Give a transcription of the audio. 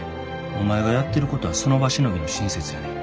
お前がやってることはその場しのぎの親切やねん。